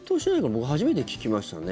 僕、初めて聞きましたね。